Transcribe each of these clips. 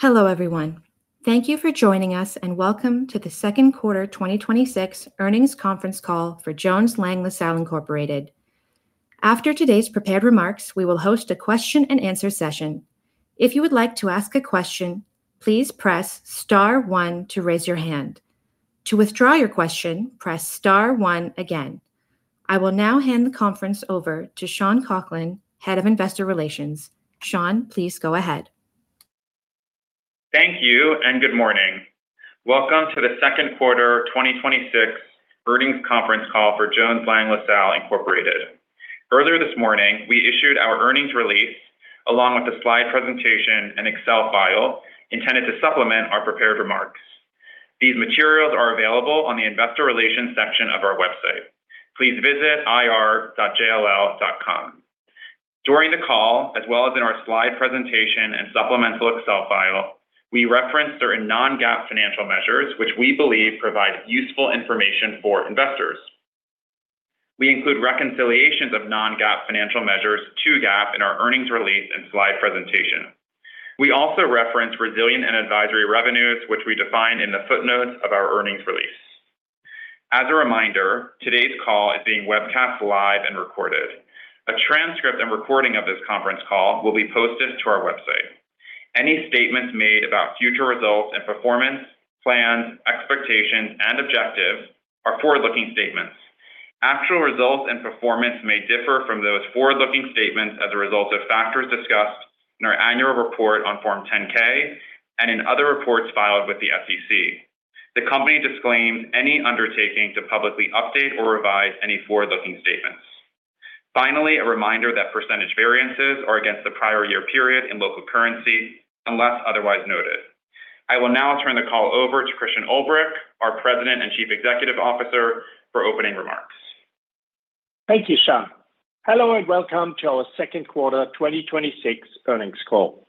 Hello, everyone. Thank you for joining us, welcome to the second quarter 2026 earnings conference call for Jones Lang LaSalle Incorporated. After today's prepared remarks, we will host a question and answer session. If you would like to ask a question, please press star one to raise your hand. To withdraw your question, press star one again. I will now hand the conference over to Sean Coghlan, Head of Investor Relations. Sean, please go ahead. Thank you, good morning. Welcome to the second quarter 2026 earnings conference call for Jones Lang LaSalle Incorporated. Earlier this morning, we issued our earnings release, along with a slide presentation and Excel file intended to supplement our prepared remarks. These materials are available on the investor relations section of our website. Please visit ir.jll.com. During the call, as well as in our slide presentation and supplemental Excel file, we reference certain non-GAAP financial measures which we believe provide useful information for investors. We include reconciliations of non-GAAP financial measures to GAAP in our earnings release and slide presentation. We also reference resilient and advisory revenues, which we define in the footnotes of our earnings release. As a reminder, today's call is being webcast live and recorded. A transcript and recording of this conference call will be posted to our website. Any statements made about future results and performance, plans, expectations, and objectives are forward-looking statements. Actual results and performance may differ from those forward-looking statements as a result of factors discussed in our annual report on Form 10-K and in other reports filed with the SEC. The company disclaims any undertaking to publicly update or revise any forward-looking statements. Finally, a reminder that % variances are against the prior year period in local currency, unless otherwise noted. I will now turn the call over to Christian Ulbrich, our President and Chief Executive Officer, for opening remarks. Thank you, Sean. Hello, welcome to our second quarter 2026 earnings call.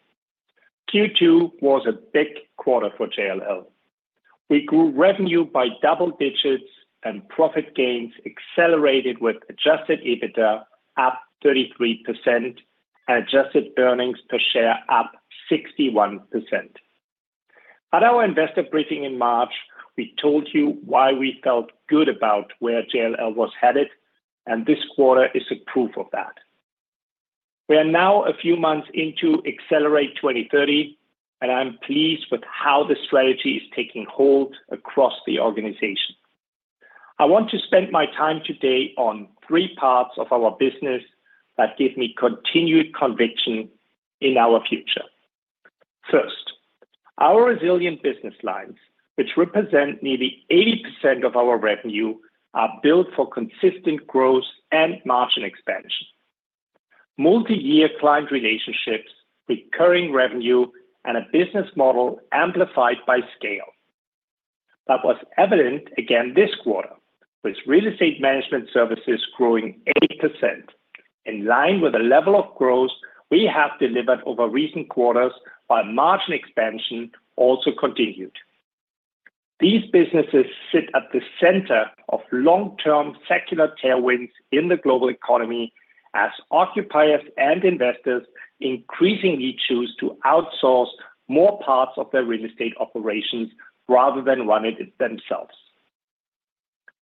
Q2 was a big quarter for JLL. We grew revenue by double digits profit gains accelerated with adjusted EBITDA up 33% adjusted earnings per share up 61%. At our investor briefing in March, we told you why we felt good about where JLL was headed, this quarter is a proof of that. We are now a few months into Accelerate 2030, I'm pleased with how the strategy is taking hold across the organization. I want to spend my time today on three parts of our business that give me continued conviction in our future. First, our resilient business lines, which represent nearly 80% of our revenue, are built for consistent growth and margin expansion. Multi-year client relationships, recurring revenue, and a business model amplified by scale. That was evident again this quarter with real estate management services growing 80%, in line with the level of growth we have delivered over recent quarters while margin expansion also continued. These businesses sit at the center of long-term secular tailwinds in the global economy as occupiers and investors increasingly choose to outsource more parts of their real estate operations rather than run it themselves.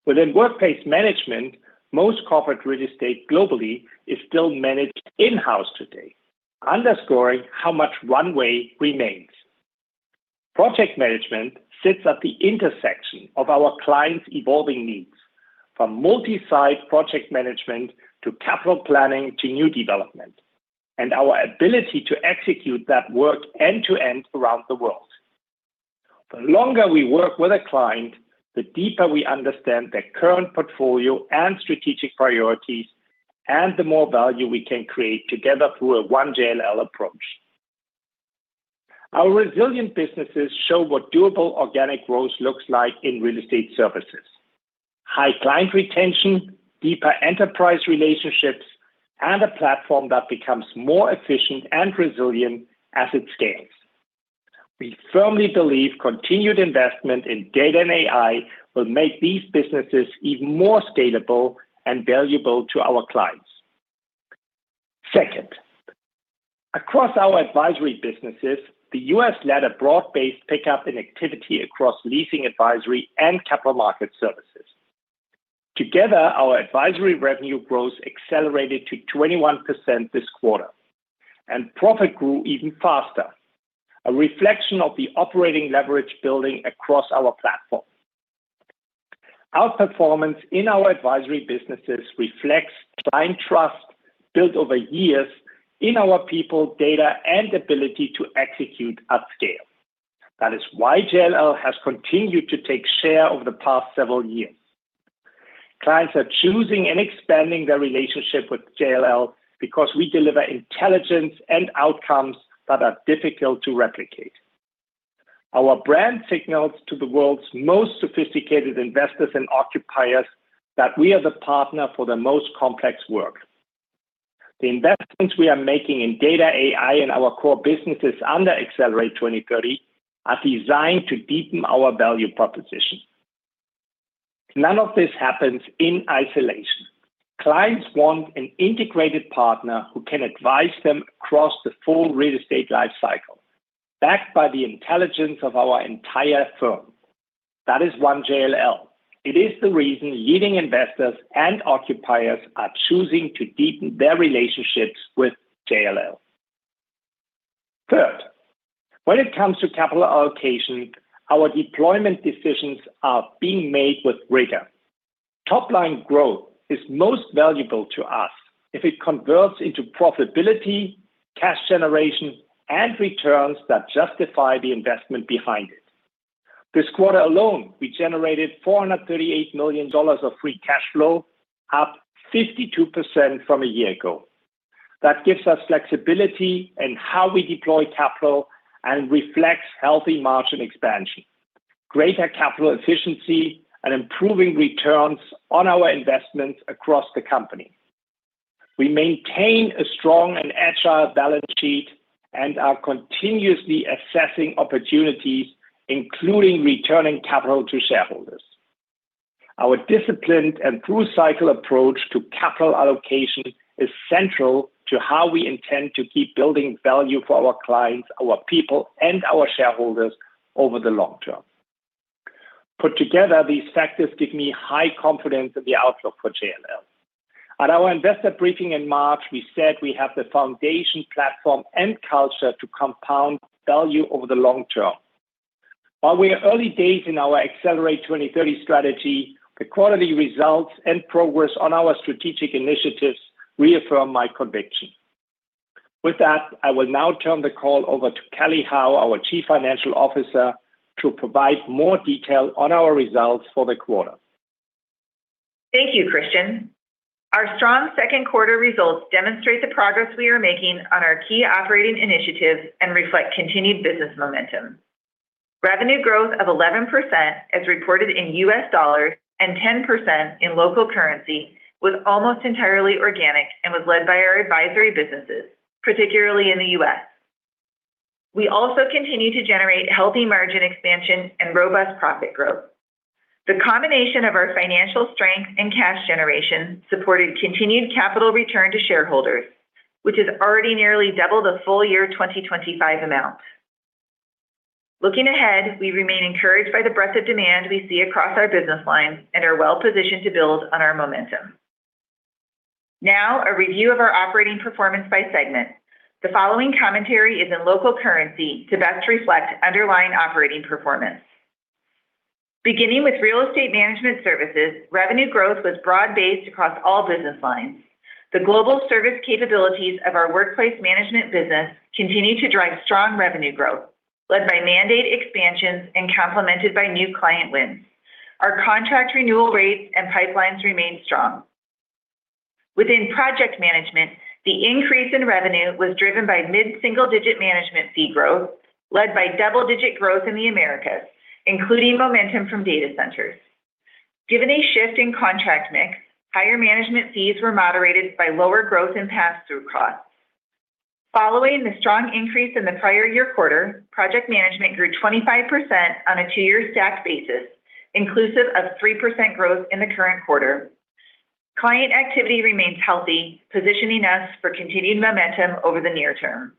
Within workplace management, most corporate real estate globally is still managed in-house today, underscoring how much runway remains. Project management sits at the intersection of our clients' evolving needs. From multi-site project management to capital planning to new development, and our ability to execute that work end to end around the world. The longer we work with a client, the deeper we understand their current portfolio and strategic priorities, and the more value we can create together through a One JLL approach. Our resilient businesses show what durable organic growth looks like in real estate services. High client retention, deeper enterprise relationships, and a platform that becomes more efficient and resilient as it scales. We firmly believe continued investment in data and AI will make these businesses even more scalable and valuable to our clients. Second, across our advisory businesses, the U.S. led a broad-based pickup in activity across leasing advisory and capital market services. Together, our advisory revenue growth accelerated to 21% this quarter, and profit grew even faster, a reflection of the operating leverage building across our platform. Our performance in our advisory businesses reflects client trust built over years in our people, data, and ability to execute at scale. That is why JLL has continued to take share over the past several years. Clients are choosing and expanding their relationship with JLL because we deliver intelligence and outcomes that are difficult to replicate. Our brand signals to the world's most sophisticated investors and occupiers that we are the partner for the most complex work. The investments we are making in data AI and our core businesses under Accelerate 2030 are designed to deepen our value proposition. None of this happens in isolation. Clients want an integrated partner who can advise them across the full real estate life cycle, backed by the intelligence of our entire firm. That is One JLL. It is the reason leading investors and occupiers are choosing to deepen their relationships with JLL. Third, when it comes to capital allocation, our deployment decisions are being made with rigor. Top-line growth is most valuable to us if it converts into profitability, cash generation, and returns that justify the investment behind it. This quarter alone, we generated $438 million of free cash flow, up 52% from a year ago. That gives us flexibility in how we deploy capital and reflects healthy margin expansion, greater capital efficiency, and improving returns on our investments across the company. We maintain a strong and agile balance sheet and are continuously assessing opportunities, including returning capital to shareholders. Our disciplined and through-cycle approach to capital allocation is central to how we intend to keep building value for our clients, our people, and our shareholders over the long term. Put together, these factors give me high confidence in the outlook for JLL. At our investor briefing in March, we said we have the foundation, platform, and culture to compound value over the long term. While we are early days in our Accelerate 2030 strategy, the quarterly results and progress on our strategic initiatives reaffirm my conviction. With that, I will now turn the call over to Kelly Howe, our Chief Financial Officer, to provide more detail on our results for the quarter. Thank you, Christian. Our strong second quarter results demonstrate the progress we are making on our key operating initiatives and reflect continued business momentum. Revenue growth of 11%, as reported in U.S. dollars, and 10% in local currency, was almost entirely organic and was led by our advisory businesses, particularly in the U.S. We also continue to generate healthy margin expansion and robust profit growth. The combination of our financial strength and cash generation supported continued capital return to shareholders, which is already nearly double the full year 2025 amount. Looking ahead, we remain encouraged by the breadth of demand we see across our business lines and are well positioned to build on our momentum. Now, a review of our operating performance by segment. The following commentary is in local currency to best reflect underlying operating performance. Beginning with real estate management services, revenue growth was broad-based across all business lines. The global service capabilities of our workplace management business continue to drive strong revenue growth, led by mandate expansions and complemented by new client wins. Our contract renewal rates and pipelines remain strong. Within project management, the increase in revenue was driven by mid-single-digit management fee growth, led by double-digit growth in the Americas, including momentum from data centers. Given a shift in contract mix, higher management fees were moderated by lower growth in pass-through costs. Following the strong increase in the prior year quarter, project management grew 25% on a two-year stacked basis, inclusive of 3% growth in the current quarter. Client activity remains healthy, positioning us for continued momentum over the near term.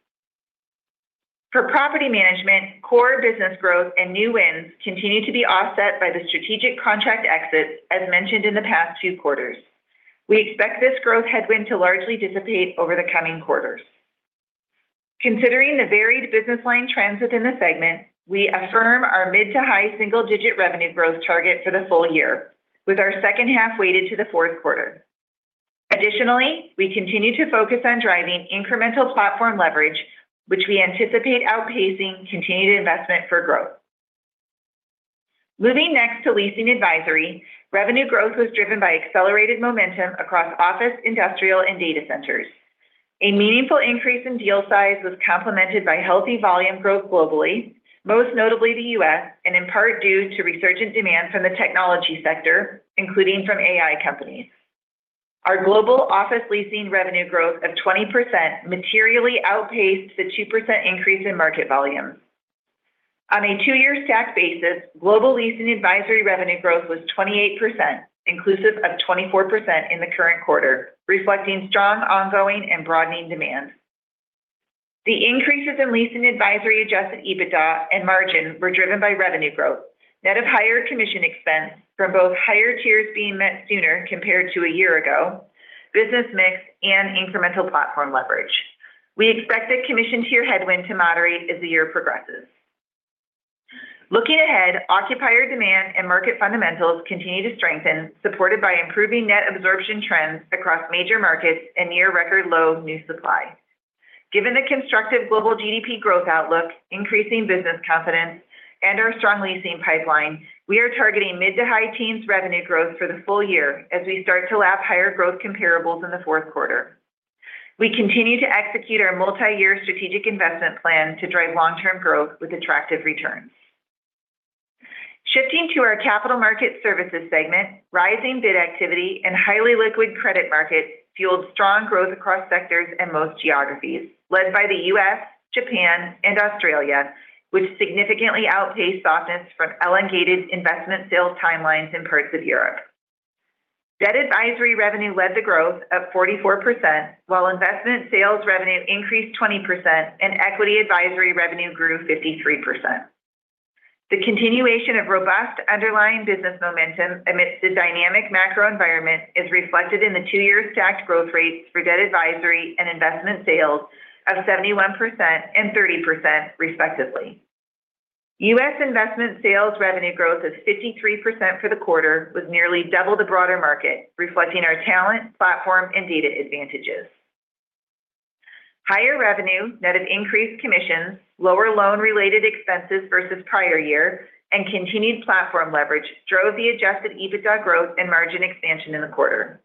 For property management, core business growth and new wins continue to be offset by the strategic contract exits as mentioned in the past two quarters. We expect this growth headwind to largely dissipate over the coming quarters. Considering the varied business line trends within the segment, we affirm our mid-to-high single-digit revenue growth target for the full year, with our second half weighted to the fourth quarter. We continue to focus on driving incremental platform leverage, which we anticipate outpacing continued investment for growth. Moving next to leasing advisory, revenue growth was driven by accelerated momentum across office, industrial, and data centers. A meaningful increase in deal size was complemented by healthy volume growth globally, most notably the U.S., and in part due to research and demand from the technology sector, including from AI companies. Our global office leasing revenue growth of 20% materially outpaced the 2% increase in market volume. On a two-year stacked basis, global leasing advisory revenue growth was 28%, inclusive of 24% in the current quarter, reflecting strong ongoing and broadening demand. The increases in leasing advisory adjusted EBITDA and margin were driven by revenue growth, net of higher commission expense from both higher tiers being met sooner compared to a year ago, business mix, and incremental platform leverage. We expect the commission tier headwind to moderate as the year progresses. Looking ahead, occupier demand and market fundamentals continue to strengthen, supported by improving net absorption trends across major markets and near record low new supply. Given the constructive global GDP growth outlook, increasing business confidence, and our strong leasing pipeline, we are targeting mid-to-high teens revenue growth for the full year as we start to lap higher growth comparables in the fourth quarter. We continue to execute our multi-year strategic investment plan to drive long-term growth with attractive returns. Shifting to our capital market services segment, rising bid activity and highly liquid credit markets fueled strong growth across sectors and most geographies, led by the U.S., Japan, and Australia, which significantly outpaced softness from elongated investment sales timelines in parts of Europe. Debt advisory revenue led the growth of 44%, while investment sales revenue increased 20%, and equity advisory revenue grew 53%. The continuation of robust underlying business momentum amidst the dynamic macro environment is reflected in the two-year stacked growth rates for debt advisory and investment sales of 71% and 30%, respectively. U.S. investment sales revenue growth of 53% for the quarter was nearly double the broader market, reflecting our talent, platform, and data advantages. Higher revenue net of increased commissions, lower loan-related expenses versus prior year, and continued platform leverage drove the adjusted EBITDA growth and margin expansion in the quarter.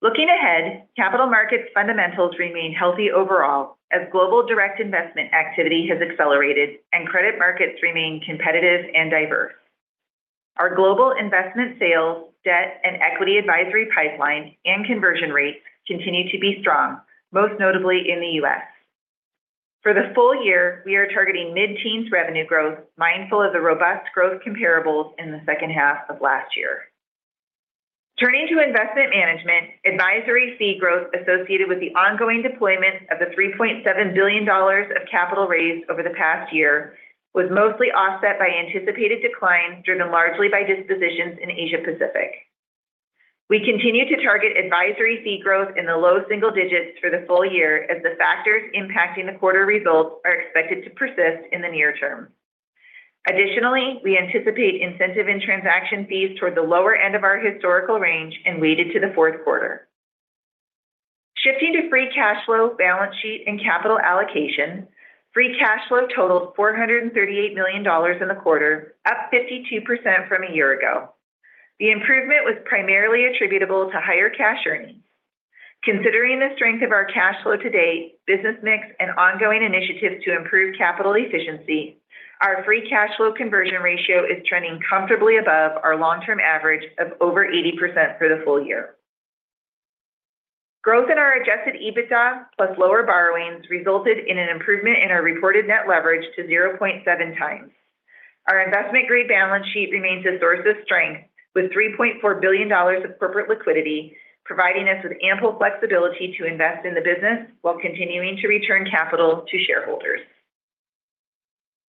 Looking ahead, capital markets fundamentals remain healthy overall as global direct investment activity has accelerated and credit markets remain competitive and diverse. Our global investment sales, debt, and equity advisory pipeline, and conversion rates continue to be strong, most notably in the U.S. For the full year, we are targeting mid-teens revenue growth, mindful of the robust growth comparables in the second half of last year. Turning to investment management, advisory fee growth associated with the ongoing deployment of the $3.7 billion of capital raised over the past year was mostly offset by anticipated declines driven largely by dispositions in Asia Pacific. We continue to target advisory fee growth in the low single digits through the full year as the factors impacting the quarter results are expected to persist in the near term. Additionally, we anticipate incentive and transaction fees toward the lower end of our historical range and weighted to the fourth quarter. Shifting to free cash flow, balance sheet, and capital allocation, free cash flow totaled $438 million in the quarter, up 52% from a year ago. The improvement was primarily attributable to higher cash earnings. Considering the strength of our cash flow to date, business mix, and ongoing initiatives to improve capital efficiency, our free cash flow conversion ratio is trending comfortably above our long-term average of over 80% for the full year. Growth in our adjusted EBITDA plus lower borrowings resulted in an improvement in our reported net leverage to 0.7x. Our investment-grade balance sheet remains a source of strength with $3.4 billion of corporate liquidity, providing us with ample flexibility to invest in the business while continuing to return capital to shareholders.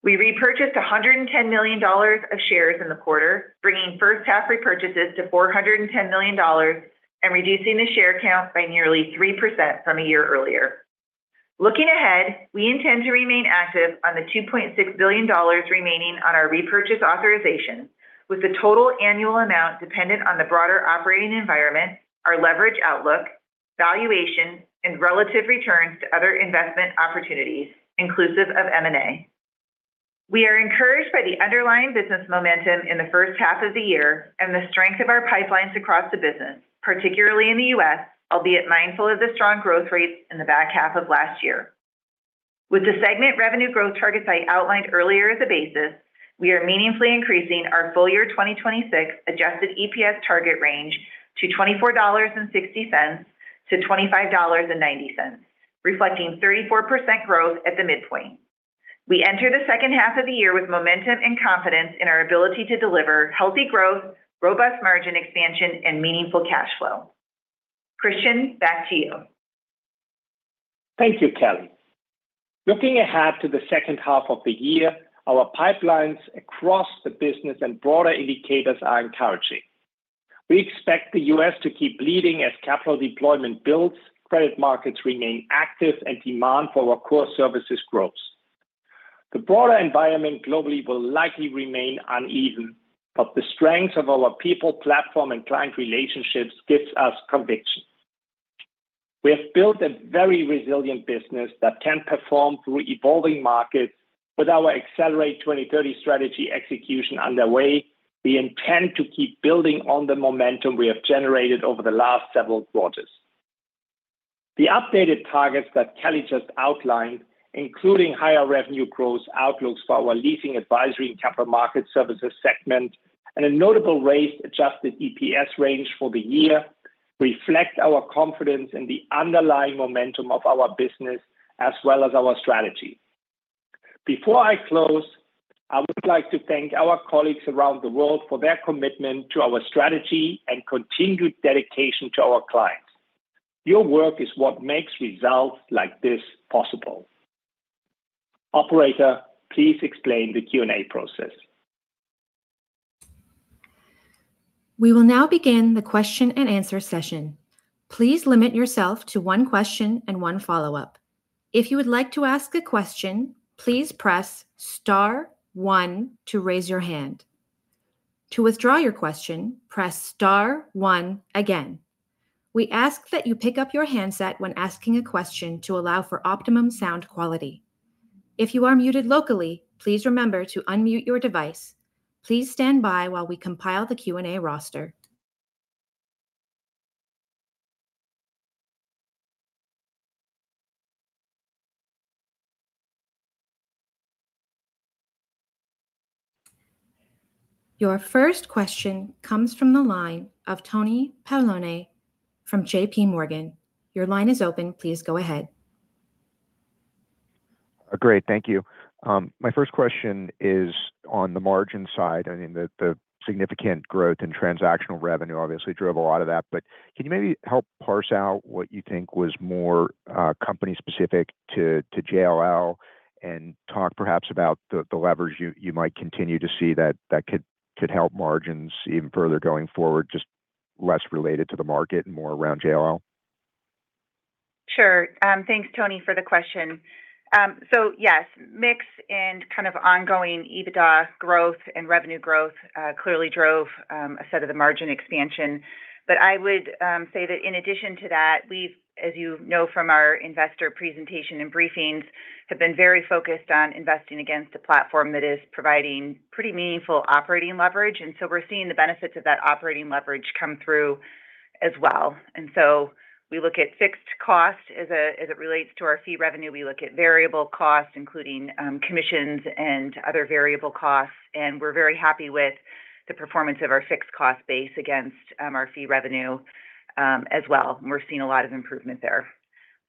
We repurchased $110 million of shares in the quarter, bringing first half repurchases to $410 million and reducing the share count by nearly 3% from a year earlier. Looking ahead, we intend to remain active on the $2.6 billion remaining on our repurchase authorization, with the total annual amount dependent on the broader operating environment, our leverage outlook, valuation, and relative returns to other investment opportunities, inclusive of M&A. We are encouraged by the underlying business momentum in the first half of the year and the strength of our pipelines across the business, particularly in the U.S., albeit mindful of the strong growth rates in the back half of last year. With the segment revenue growth targets I outlined earlier as a basis, we are meaningfully increasing our full year 2026 adjusted EPS target range to $24.60-$25.90, reflecting 34% growth at the midpoint. We enter the second half of the year with momentum and confidence in our ability to deliver healthy growth, robust margin expansion, and meaningful cash flow. Christian, back to you. Thank you, Kelly. Looking ahead to the second half of the year, our pipelines across the business and broader indicators are encouraging. We expect the U.S. to keep leading as capital deployment builds, credit markets remain active, and demand for our core services grows. The broader environment globally will likely remain uneven, but the strength of our people, platform, and client relationships gives us conviction. We have built a very resilient business that can perform through evolving markets. With our Accelerate 2030 strategy execution underway, we intend to keep building on the momentum we have generated over the last several quarters. The updated targets that Kelly just outlined, including higher revenue growth outlooks for our leasing, advisory, and capital market services segment, and a notable raised adjusted EPS range for the year, reflect our confidence in the underlying momentum of our business as well as our strategy. Before I close, I would like to thank our colleagues around the world for their commitment to our strategy and continued dedication to our clients. Your work is what makes results like this possible. Operator, please explain the Q&A process. We will now begin the question and answer session. Please limit yourself to one question and one follow-up. If you would like to ask a question, please press star one to raise your hand. To withdraw your question, press star one again. We ask that you pick up your handset when asking a question to allow for optimum sound quality. If you are muted locally, please remember to unmute your device. Please stand by while we compile the Q&A roster. Your first question comes from the line of Tony Paolone from JPMorgan. Your line is open. Please go ahead. Great. Thank you. My first question is on the margin side. The significant growth in transactional revenue obviously drove a lot of that, but can you maybe help parse out what you think was more company specific to JLL, and talk perhaps about the leverage you might continue to see that could help margins even further going forward, just less related to the market and more around JLL? Sure. Thanks, Tony, for the question. Yes, mix and kind of ongoing EBITDA growth and revenue growth clearly drove a set of the margin expansion. I would say that in addition to that, we've, as you know from our investor presentation and briefings, have been very focused on investing against a platform that is providing pretty meaningful operating leverage. We're seeing the benefits of that operating leverage come through as well. We look at fixed cost as it relates to our fee revenue. We look at variable costs, including commissions and other variable costs, and we're very happy with the performance of our fixed cost base against our fee revenue as well. We're seeing a lot of improvement there.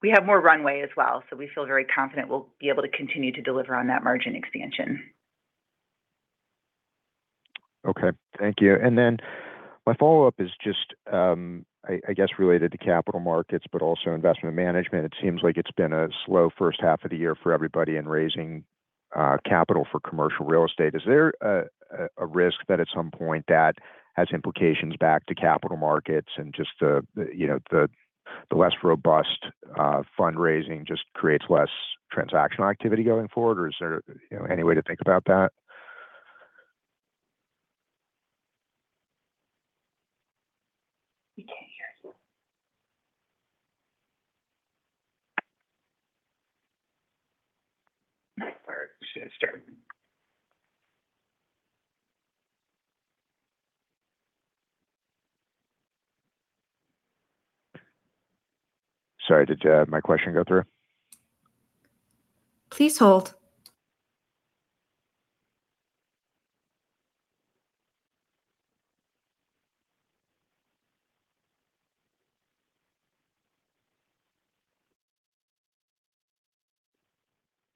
We have more runway as well, so we feel very confident we'll be able to continue to deliver on that margin expansion. Okay. Thank you. My follow-up is just, I guess, related to capital markets, but also investment management. It seems like it's been a slow first half of the year for everybody in raising capital for commercial real estate. Is there a risk that at some point that has implications back to capital markets and just the less robust fundraising just creates less transactional activity going forward? Or is there any way to think about that? We can't hear you. [inaudible] Did my question go through? Please hold.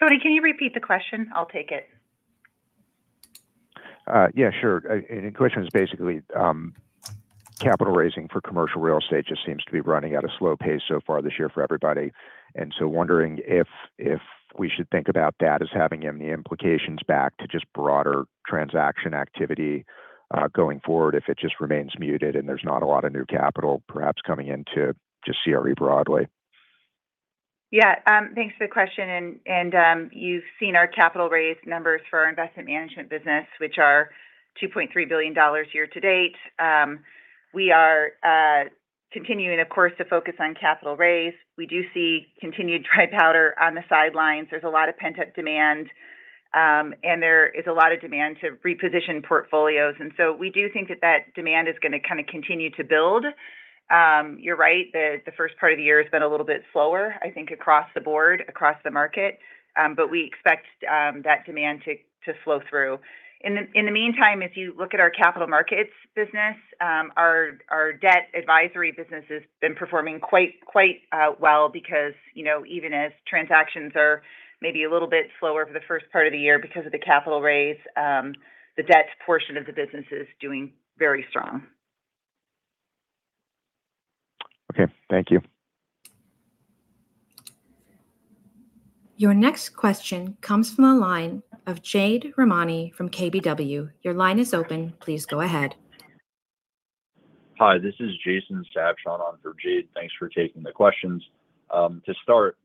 Tony, can you repeat the question? I'll take it. Yeah, sure. The question is basically capital raising for commercial real estate just seems to be running at a slow pace so far this year for everybody, wondering if we should think about that as having any implications back to just broader transaction activity going forward if it just remains muted and there's not a lot of new capital perhaps coming in to just CRE broadly. Yeah. Thanks for the question. You've seen our capital raise numbers for our investment management business, which are $2.3 billion year-to-date. We are continuing, of course, to focus on capital raise. We do see continued dry powder on the sidelines. There's a lot of pent-up demand, there is a lot of demand to reposition portfolios. We do think that that demand is going to kind of continue to build. You're right. The first part of the year has been a little bit slower, I think across the board, across the market. We expect that demand to flow through. In the meantime, as you look at our capital markets business, our debt advisory business has been performing quite well because even as transactions are maybe a little bit slower for the first part of the year because of the capital raise, the debt portion of the business is doing very strong. Okay. Thank you. Your next question comes from the line of Jade Rahmani from KBW. Your line is open. Please go ahead. Hi, this is Jason Sabshon on for Jade. Thanks for taking the questions. To start,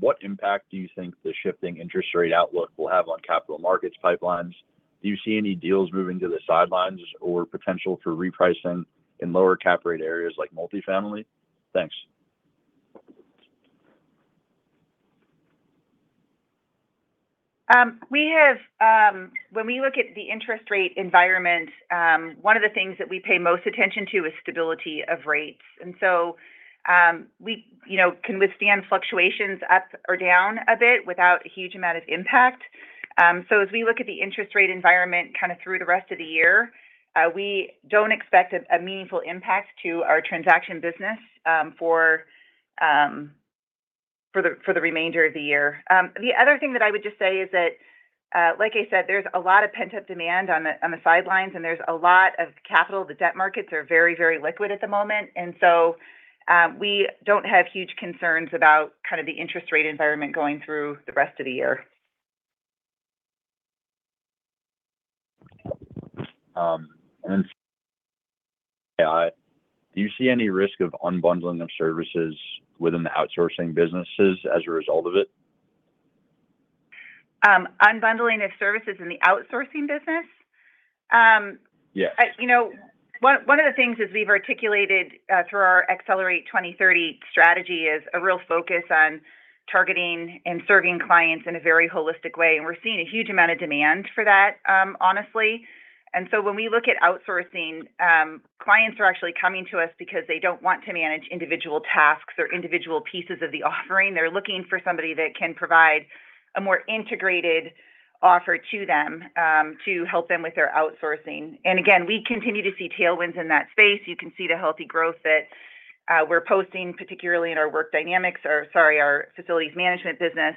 what impact do you think the shifting interest rate outlook will have on capital markets pipelines? Do you see any deals moving to the sidelines or potential for repricing in lower cap rate areas like multifamily? Thanks. When we look at the interest rate environment, one of the things that we pay most attention to is stability of rates. We can withstand fluctuations up or down a bit without a huge amount of impact. As we look at the interest rate environment kind of through the rest of the year, we don't expect a meaningful impact to our transaction business for the remainder of the year. The other thing that I would just say is that, like I said, there's a lot of pent-up demand on the sidelines, and there's a lot of capital. The debt markets are very liquid at the moment, we don't have huge concerns about kind of the interest rate environment going through the rest of the year. Do you see any risk of unbundling of services within the outsourcing businesses as a result of it? Unbundling of services in the outsourcing business? Yes. One of the things as we've articulated through our Accelerate 2030 strategy is a real focus on targeting and serving clients in a very holistic way, and we're seeing a huge amount of demand for that honestly. When we look at outsourcing, clients are actually coming to us because they don't want to manage individual tasks or individual pieces of the offering. They're looking for somebody that can provide a more integrated offer to them to help them with their outsourcing. Again, we continue to see tailwinds in that space. You can see the healthy growth that we're posting particularly in our Work Dynamics, or sorry, our facilities management business.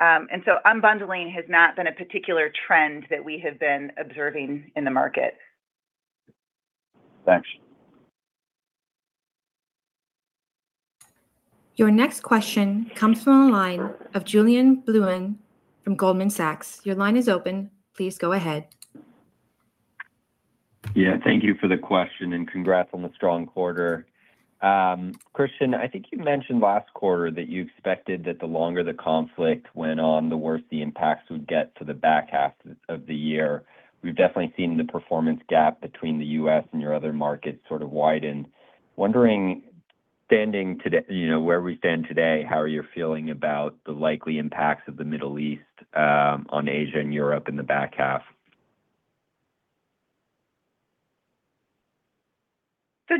Unbundling has not been a particular trend that we have been observing in the market. Thanks. Your next question comes from the line of Julien Blouin from Goldman Sachs. Your line is open. Please go ahead. Thank you for the question, congrats on the strong quarter. Christian, I think you mentioned last quarter that you expected that the longer the conflict went on, the worse the impacts would get to the back half of the year. We've definitely seen the performance gap between the U.S. and your other markets sort of widen. Wondering where we stand today, how are you feeling about the likely impacts of the Middle East on Asia and Europe in the back half?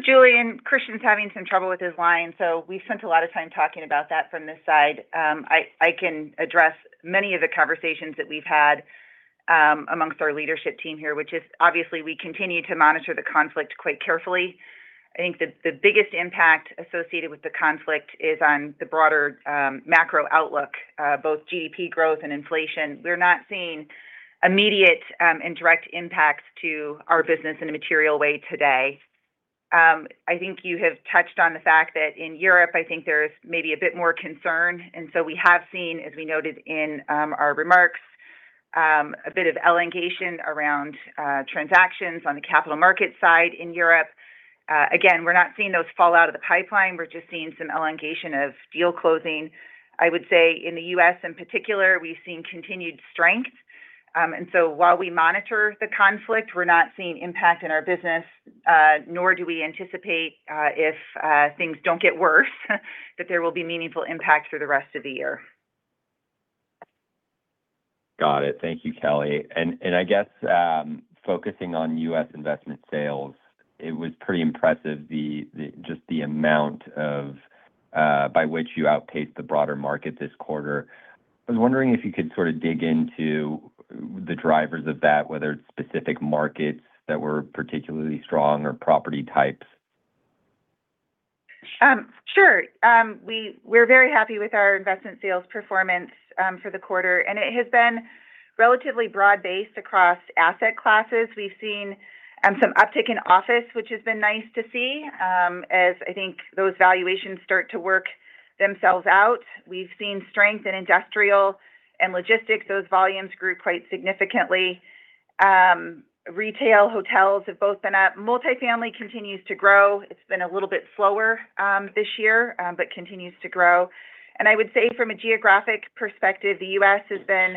Julien, Christian's having some trouble with his line, we've spent a lot of time talking about that from this side. I can address many of the conversations that we've had amongst our leadership team here, which is obviously we continue to monitor the conflict quite carefully. I think the biggest impact associated with the conflict is on the broader macro outlook, both GDP growth and inflation. We're not seeing immediate and direct impacts to our business in a material way today. I think you have touched on the fact that in Europe, I think there's maybe a bit more concern. We have seen, as we noted in our remarks, a bit of elongation around transactions on the capital market side in Europe. Again, we're not seeing those fall out of the pipeline. We're just seeing some elongation of deal closing. I would say in the U.S. in particular, we've seen continued strength. While we monitor the conflict, we're not seeing impact in our business, nor do we anticipate if things don't get worse, that there will be meaningful impact through the rest of the year. Got it. Thank you, Kelly. I guess, focusing on U.S. investment sales, it was pretty impressive just the amount by which you outpaced the broader market this quarter. I was wondering if you could sort of dig into the drivers of that, whether it's specific markets that were particularly strong or property types. Sure. We're very happy with our investment sales performance for the quarter, it has been relatively broad-based across asset classes. We've seen some uptick in office, which has been nice to see as I think those valuations start to work themselves out. We've seen strength in industrial and logistics. Those volumes grew quite significantly. Retail hotels have both been up. Multifamily continues to grow. It's been a little bit slower this year but continues to grow. I would say from a geographic perspective, the U.S. has been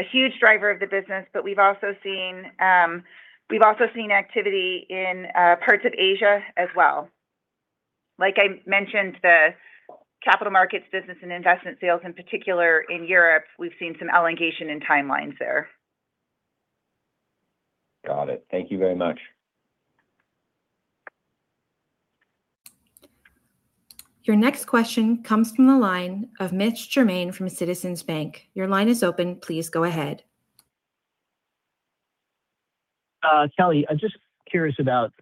a huge driver of the business, but we've also seen activity in parts of Asia as well. Like I mentioned, the capital markets business and investment sales in particular in Europe, we've seen some elongation in timelines there. Got it. Thank you very much. Your next question comes from the line of Mitch Germain from Citizens Bank. Your line is open. Please go ahead. Kelly, I'm just curious about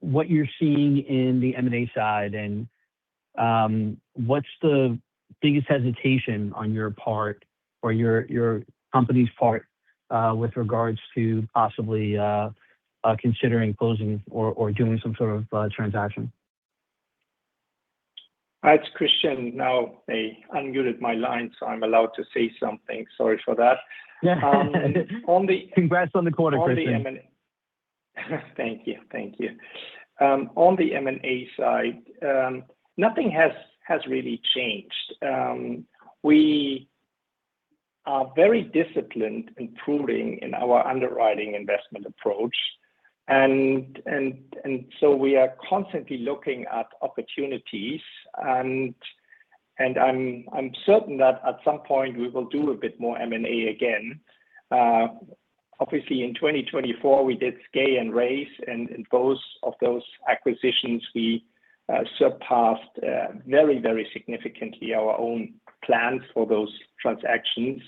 what you're seeing in the M&A side and what's the biggest hesitation on your part or your company's part with regards to possibly considering closing or doing some sort of transaction. It's Christian now. They unmuted my line, so I'm allowed to say something. Sorry for that. Yeah. On the- Congrats on the quarter, Christian. Thank you. On the M&A side nothing has really changed. We are very disciplined in pruning in our underwriting investment approach, and so we are constantly looking at opportunities, and I'm certain that at some point we will do a bit more M&A again. Obviously in 2024, we did SKAE and Raise, and in both of those acquisitions we surpassed very, very significantly our own plans for those transactions,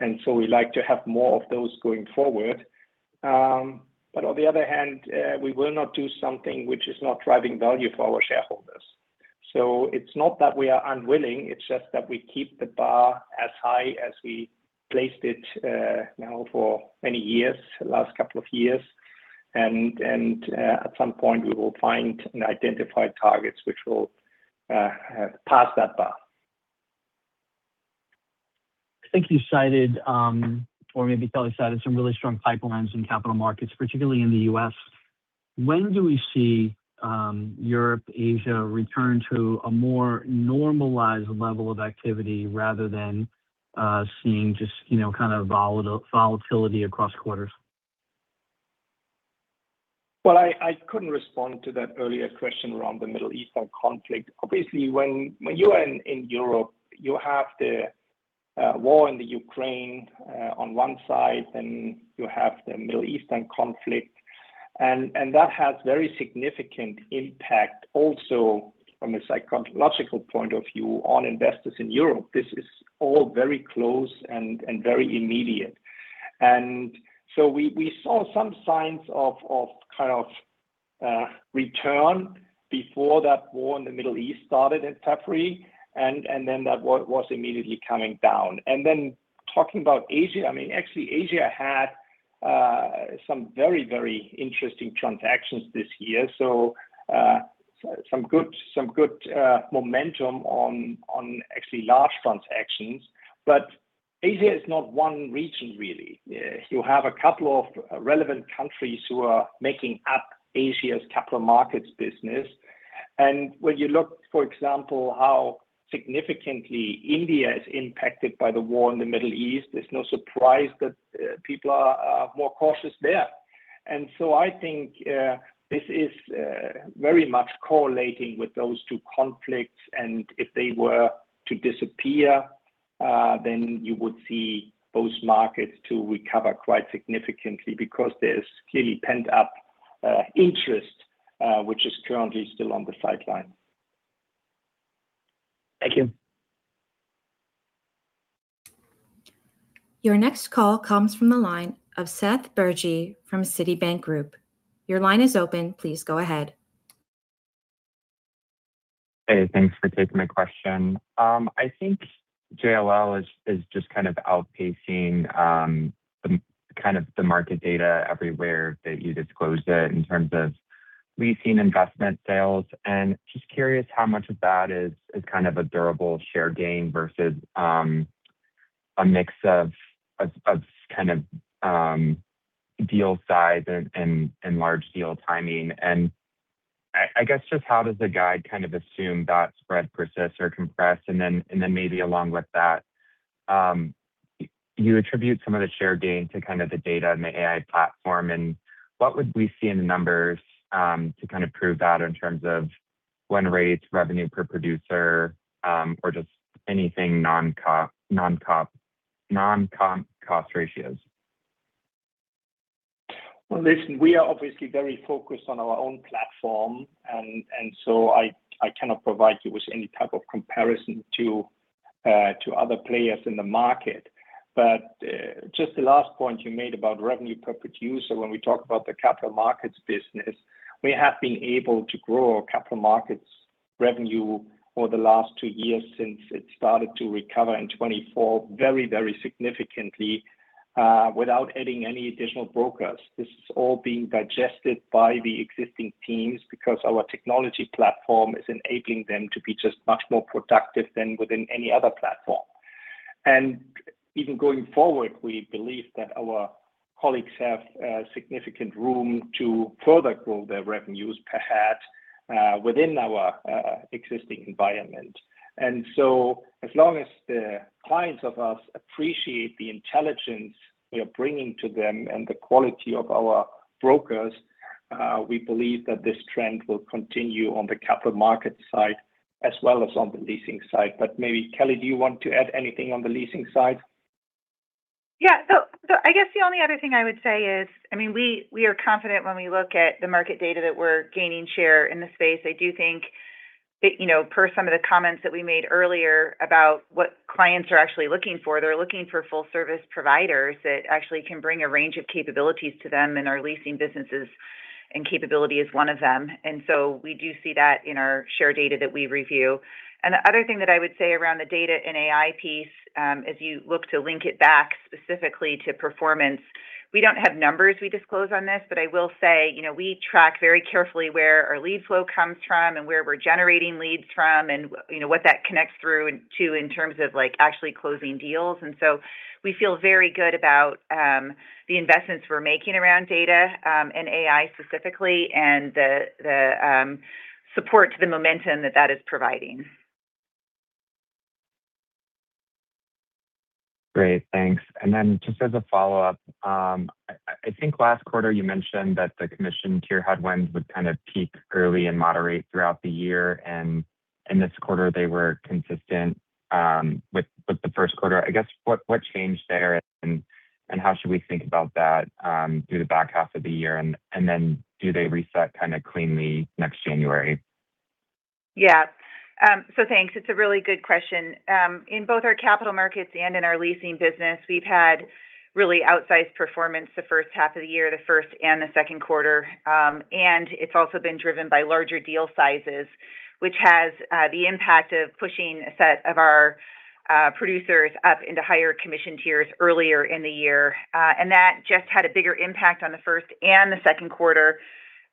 and so we like to have more of those going forward. On the other hand, we will not do something which is not driving value for our shareholders. It's not that we are unwilling, it's just that we keep the bar as high as we placed it now for many years, the last couple of years. At some point we will find and identify targets which will pass that bar. I think you cited or maybe Kelly cited some really strong pipelines in capital markets, particularly in the U.S. When do we see Europe, Asia return to a more normalized level of activity rather than seeing just kind of volatility across quarters? I couldn't respond to that earlier question around the Middle Eastern conflict. Obviously, when you are in Europe, you have the war in Ukraine on one side, and you have the Middle Eastern conflict, and that has very significant impact also from a psychological point of view on investors in Europe. This is all very close and very immediate. We saw some signs of return before that war in the Middle East started in February, that was immediately coming down. Talking about Asia, actually Asia had some very interesting transactions this year, so some good momentum on actually large transactions. Asia is not one region really. You have a couple of relevant countries who are making up Asia's Capital Markets business. When you look, for example, how significantly India is impacted by the war in the Middle East, it's no surprise that people are more cautious there. I think this is very much correlating with those two conflicts, and if they were to disappear, you would see those markets to recover quite significantly because there's clearly pent-up interest, which is currently still on the sideline. Thank you. Your next call comes from the line of Seth Bergey from Citibank Group. Your line is open. Please go ahead. Hey, thanks for taking my question. I think JLL is just kind of outpacing the market data everywhere that you disclosed it in terms of leasing investment sales. Just curious how much of that is kind of a durable share gain versus a mix of deal size and large deal timing. I guess just how does the guide kind of assume that spread persists or compress? Maybe along with that, you attribute some of the share gain to kind of the data and the AI platform, and what would we see in the numbers to kind of prove that in terms of win rates, revenue per producer, or just anything non-cost ratios? Well, listen, we are obviously very focused on our own platform, I cannot provide you with any type of comparison to other players in the market. Just the last point you made about revenue per producer, when we talk about the capital markets business, we have been able to grow our capital markets revenue over the last two years since it started to recover in 2024 very significantly, without adding any additional brokers. This is all being digested by the existing teams because our technology platform is enabling them to be just much more productive than within any other platform. Even going forward, we believe that our colleagues have significant room to further grow their revenues per head within our existing environment. As long as the clients of us appreciate the intelligence we are bringing to them and the quality of our brokers, we believe that this trend will continue on the capital markets side as well as on the leasing side. Maybe, Kelly, do you want to add anything on the leasing side? Yeah. I guess the only other thing I would say is, we are confident when we look at the market data that we're gaining share in the space. I do think that per some of the comments that we made earlier about what clients are actually looking for, they're looking for full service providers that actually can bring a range of capabilities to them, and our leasing businesses and capability is one of them. We do see that in our share data that we review. The other thing that I would say around the data and AI piece, as you look to link it back specifically to performance, we don't have numbers we disclose on this, but I will say we track very carefully where our lead flow comes from and where we're generating leads from, and what that connects through to in terms of actually closing deals. We feel very good about the investments we're making around data, and AI specifically, and the support to the momentum that that is providing. Great. Thanks. Just as a follow-up, I think last quarter you mentioned that the commission tier headwinds would kind of peak early and moderate throughout the year, and in this quarter they were consistent with the first quarter. I guess, what changed there, and how should we think about that through the back half of the year, and then do they reset kind of cleanly next January? Yeah. Thanks. It's a really good question. In both our capital markets and in our leasing business, we've had really outsized performance the first half of the year, the first and the second quarter. It's also been driven by larger deal sizes, which has the impact of pushing a set of our producers up into higher commission tiers earlier in the year. That just had a bigger impact on the first and the second quarter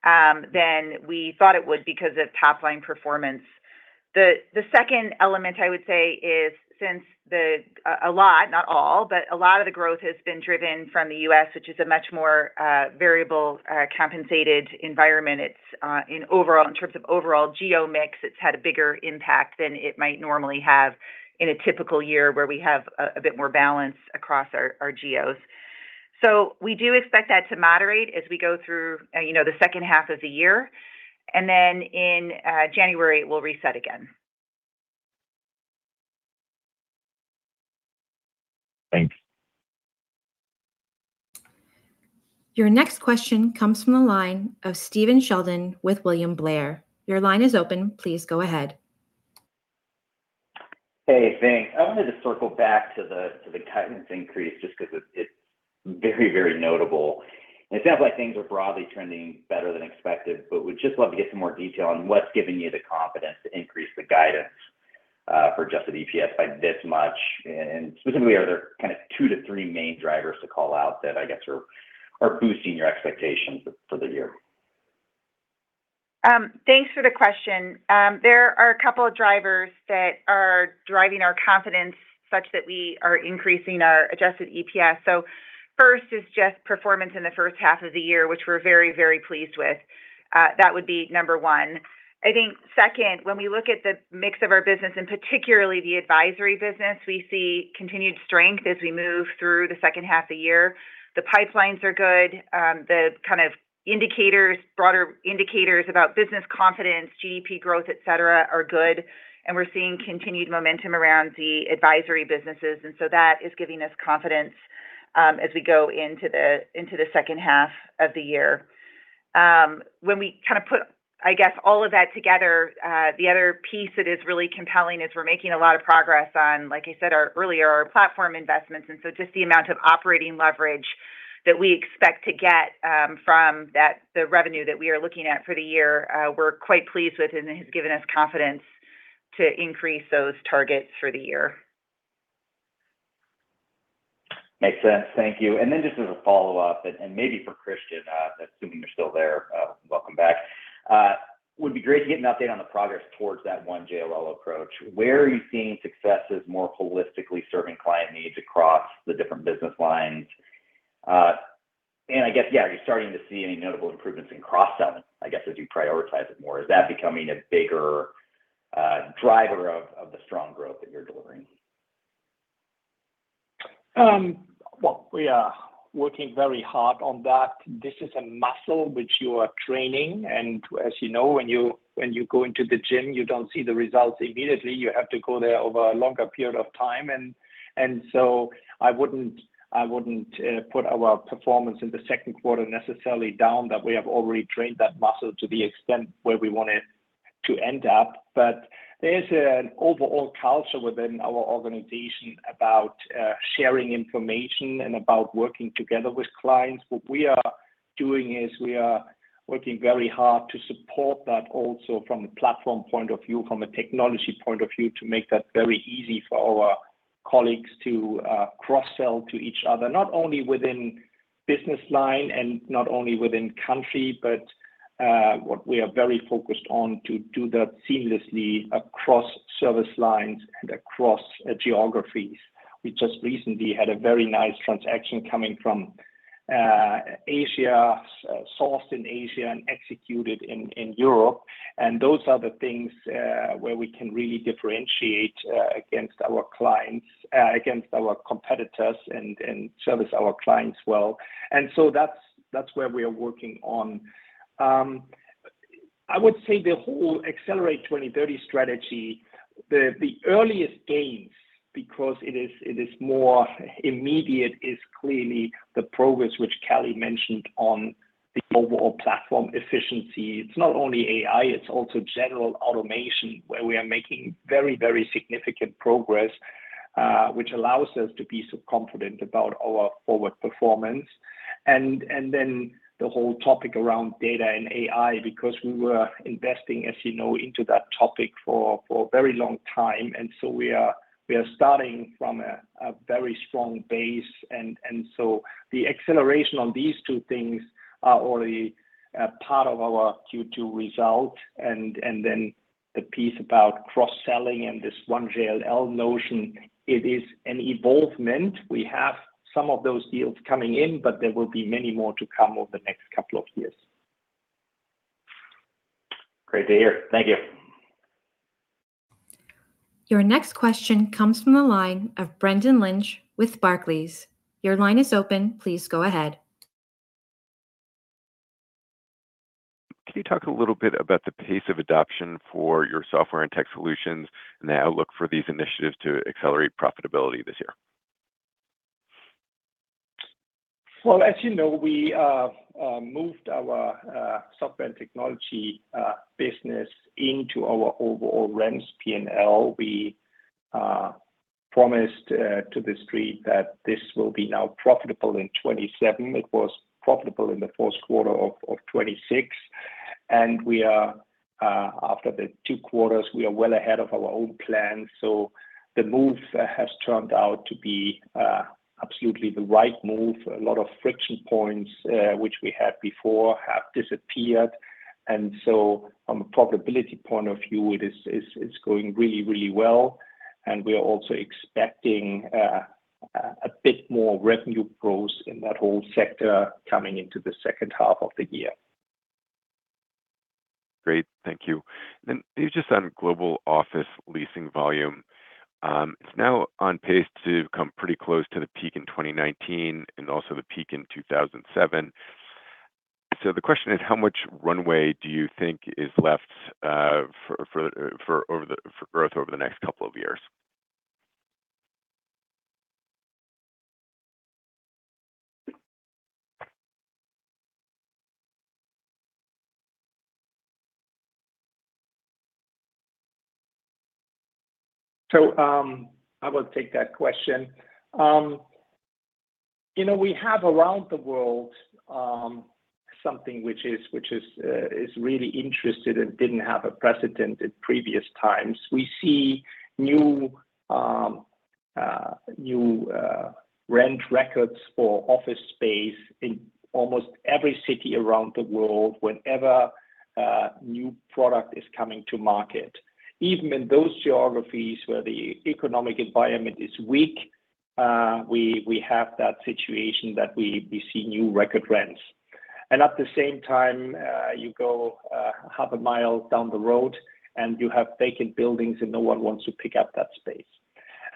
than we thought it would because of top-line performance. The second element, I would say, is since a lot, not all, but a lot of the growth has been driven from the U.S. which is a much more variable compensated environment. In terms of overall geo mix, it's had a bigger impact than it might normally have in a typical year where we have a bit more balance across our geos. We do expect that to moderate as we go through the second half of the year. In January, we'll reset again. Thanks. Your next question comes from the line of Stephen Sheldon with William Blair. Your line is open. Please go ahead. Hey, thanks. I wanted to circle back to the guidance increase just because it's very notable. It sounds like things are broadly trending better than expected, but would just love to get some more detail on what's giving you the confidence to increase the guidance for adjusted EPS by this much. Specifically, are there two to three main drivers to call out that I guess are boosting your expectations for the year? Thanks for the question. There are a couple of drivers that are driving our confidence such that we are increasing our adjusted EPS. First is just performance in the first half of the year, which we're very pleased with. That would be number one. I think second, when we look at the mix of our business, and particularly the advisory business, we see continued strength as we move through the second half of the year. The pipelines are good. The kind of broader indicators about business confidence, GDP growth, et cetera, are good, and we're seeing continued momentum around the advisory businesses, so that is giving us confidence as we go into the second half of the year. When we put, I guess, all of that together, the other piece that is really compelling is we're making a lot of progress on, like I said earlier, our platform investments. Just the amount of operating leverage that we expect to get from the revenue that we are looking at for the year, we're quite pleased with and has given us confidence to increase those targets for the year. Makes sense. Thank you. Just as a follow-up, maybe for Christian, assuming you're still there. Welcome back. Would be great to get an update on the progress towards that One JLL approach. Where are you seeing successes more holistically serving client needs across the different business lines? I guess, yeah, are you starting to see any notable improvements in cross-sell, I guess, as you prioritize it more? Is that becoming a bigger driver of the strong growth that you're delivering? Well, we are working very hard on that. This is a muscle which you are training, as you know, when you go into the gym, you don't see the results immediately. You have to go there over a longer period of time. I wouldn't put our performance in the second quarter necessarily down that we have already trained that muscle to the extent where we want it to end up. There's an overall culture within our organization about sharing information and about working together with clients. What we are doing is we are working very hard to support that also from a platform point of view, from a technology point of view, to make that very easy for our colleagues to cross-sell to each other, not only within business line and not only within country, but what we are very focused on to do that seamlessly across service lines and across geographies. We just recently had a very nice transaction coming from Asia, sourced in Asia, and executed in Europe. Those are the things where we can really differentiate against our competitors and service our clients well. That's where we are working on. I would say the whole Accelerate 2030 strategy, the earliest gains, because it is more immediate, is clearly the progress which Kelly mentioned on the overall platform efficiency. It's not only AI, it's also general automation where we are making very significant progress which allows us to be so confident about our forward performance. The whole topic around data and AI, because we were investing, as you know, into that topic for a very long time, we are starting from a very strong base. The acceleration on these two things are already a part of our Q2 result. The piece about cross-selling and this One JLL notion, it is an evolvement. We have some of those deals coming in, but there will be many more to come over the next couple of years. Great to hear. Thank you. Your next question comes from the line of Brendan Lynch with Barclays. Your line is open. Please go ahead. Can you talk a little bit about the pace of adoption for your software and tech solutions and the outlook for these initiatives to accelerate profitability this year? Well, as you know, we moved our software and technology business into our overall rents P&L. We promised to the street that this will be now profitable in 2027. It was profitable in the first quarter of 2026. After the two quarters, we are well ahead of our own plan. The move has turned out to be absolutely the right move. A lot of friction points which we had before have disappeared. From a profitability point of view, it's going really well, and we are also expecting a bit more revenue growth in that whole sector coming into the second half of the year. Great. Thank you. Just on global office leasing volume. It's now on pace to come pretty close to the peak in 2019 and also the peak in 2007. The question is, how much runway do you think is left for growth over the next couple of years? I will take that question. We have around the world something which is really interesting and didn't have a precedent in previous times. We see new rent records for office space in almost every city around the world whenever a new product is coming to market. Even in those geographies where the economic environment is weak, we have that situation that we see new record rents. At the same time, you go half a mile down the road, and you have vacant buildings, and no one wants to pick up that space.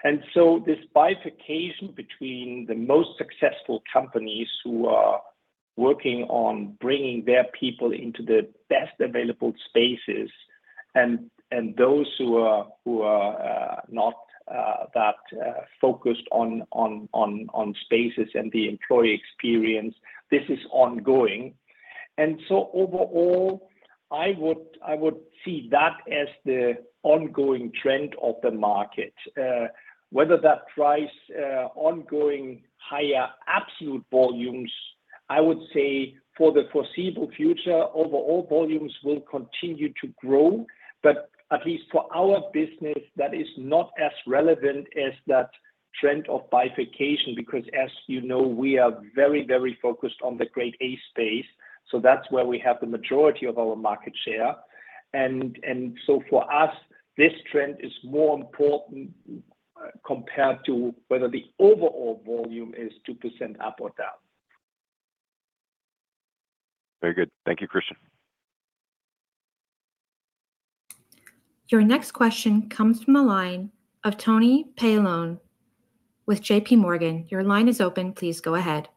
This bifurcation between the most successful companies who are working on bringing their people into the best available spaces and those who are not that focused on spaces and the employee experience, this is ongoing. Overall, I would see that as the ongoing trend of the market. Whether that drives ongoing higher absolute volumes, I would say for the foreseeable future, overall volumes will continue to grow. At least for our business, that is not as relevant as that trend of bifurcation, because as you know, we are very, very focused on the grade A space, so that's where we have the majority of our market share. For us, this trend is more important compared to whether the overall volume is 2% up or down. Very good. Thank you, Christian. Your next question comes from the line of Tony Paolone with JPMorgan. Your line is open. Please go ahead.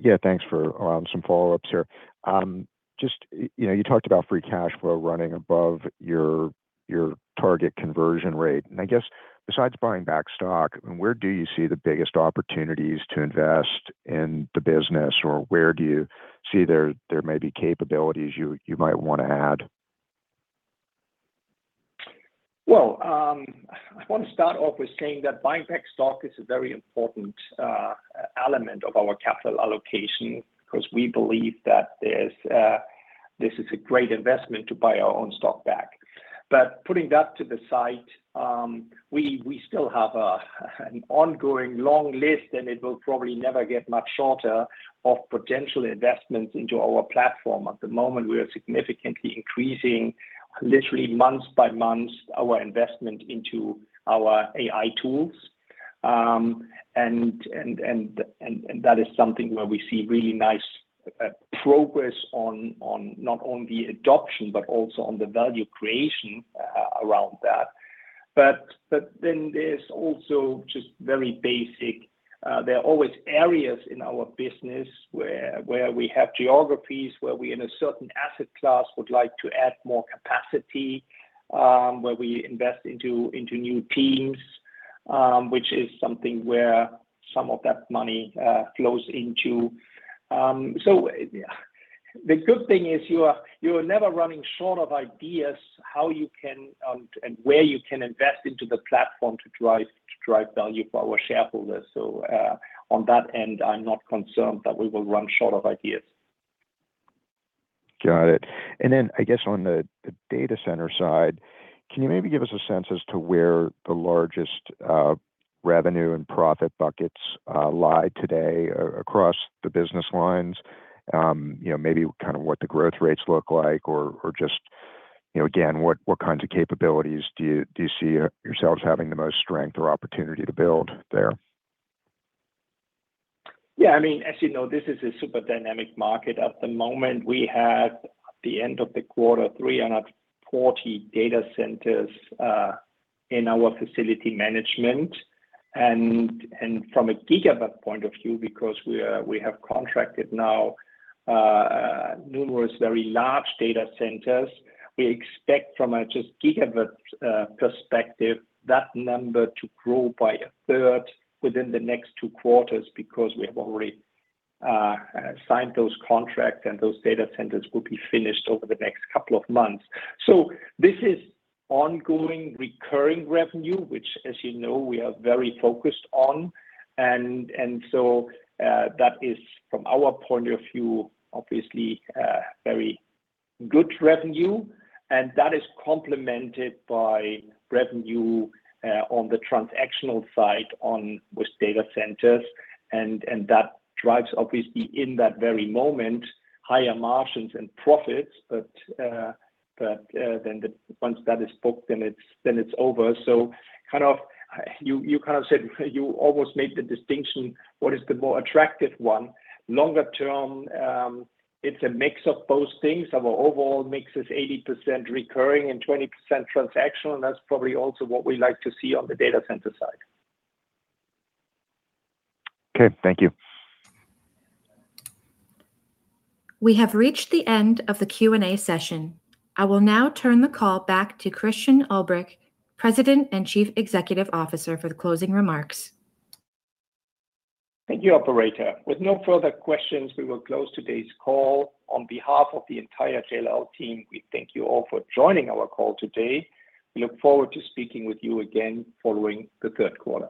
Yeah, thanks for some follow-ups here. Just, you talked about free cash flow running above your target conversion rate. I guess besides buying back stock, where do you see the biggest opportunities to invest in the business, or where do you see there may be capabilities you might want to add? Well, I want to start off with saying that buying back stock is a very important element of our capital allocation because we believe that this is a great investment to buy our own stock back. Putting that to the side, we still have an ongoing long list, and it will probably never get much shorter, of potential investments into our platform. At the moment, we are significantly increasing, literally month by month, our investment into our AI tools. That is something where we see really nice progress on not only adoption but also on the value creation around that. There's also just very basic, there are always areas in our business where we have geographies where we, in a certain asset class, would like to add more capacity, where we invest into new teams, which is something where some of that money flows into. The good thing is you are never running short of ideas how you can and where you can invest into the platform to drive value for our shareholders. On that end, I'm not concerned that we will run short of ideas. Got it. I guess on the data center side, can you maybe give us a sense as to where the largest revenue and profit buckets lie today across the business lines? Maybe what the growth rates look like or just, again, what kinds of capabilities do you see yourselves having the most strength or opportunity to build there? Yeah. As you know, this is a super dynamic market. At the moment, we had, at the end of the quarter, 340 data centers in our facility management. From a gigabit point of view, because we have contracted now numerous very large data centers, we expect from a just gigabit perspective, that number to grow by a third within the next two quarters because we have already signed those contracts, and those data centers will be finished over the next couple of months. This is ongoing recurring revenue, which, as you know, we are very focused on. That is, from our point of view, obviously very good revenue, and that is complemented by revenue on the transactional side with data centers, and that drives, obviously in that very moment, higher margins and profits. Once that is booked, then it's over. You kind of said you almost made the distinction, what is the more attractive one? Longer term, it's a mix of both things. Our overall mix is 80% recurring and 20% transactional, that's probably also what we like to see on the data center side. Okay. Thank you. We have reached the end of the Q&A session. I will now turn the call back to Christian Ulbrich, President and Chief Executive Officer, for the closing remarks. Thank you, operator. With no further questions, we will close today's call. On behalf of the entire JLL team, we thank you all for joining our call today. We look forward to speaking with you again following the third quarter.